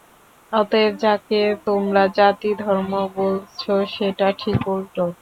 অতএব যাকে তোমরা জাতিধর্ম বলছ, সেটা ঠিক উল্টো।